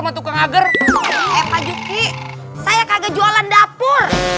saya kagak jualan dapur